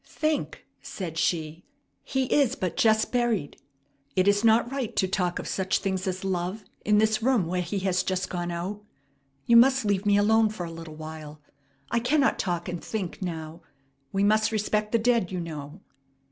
"Think!" said she. "He is but just buried. It is not right to talk of such things as love in this room where he has just gone out. You must leave me alone for a little while. I cannot talk and think now. We must respect the dead, you know."